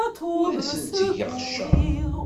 Ur asent-ttgeɣ cceṛ.